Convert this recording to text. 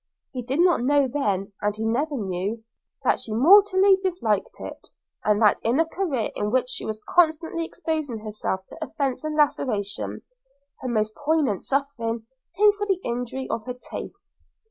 He did not know then, and he never knew, that she mortally disliked it, and that in a career in which she was constantly exposing herself to offence and laceration, her most poignant suffering came from the injury of her taste.